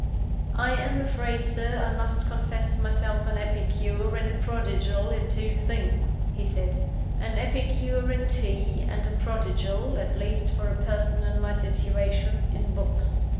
"I am afraid, Sir, I must confess myself an epicure and a prodigal in two things," he said; "an epicure in tea, and a prodigal (at least for a person in my situation) in books.